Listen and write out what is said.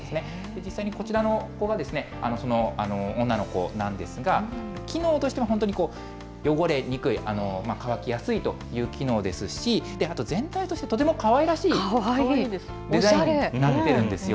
実際にこちらの子が、その女の子なんですが、機能としても本当に汚れにくい、乾きやすいという機能ですし、あと全体としてとてもかわいらしいデザインになってるんですよ。